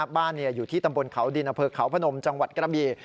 บ้านอยู่ที่ตำบลเขาดินอำเภอเขาพนมจังหวัดกระบี